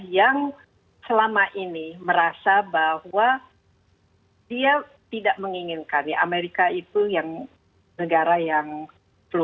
yang selama ini merasa bahwa dia tidak menginginkan ya amerika itu yang negara yang flu